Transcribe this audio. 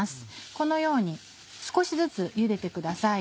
このように少しずつゆでてください。